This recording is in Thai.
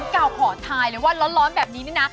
งั้นกล่าวขอถ่ายเลยว่าร้อนแบบนี้เนี่ยนะ